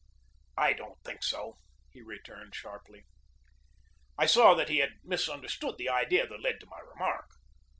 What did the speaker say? "I don't think so!" he returned sharply. I saw that he had misunderstood the idea that led to my remark.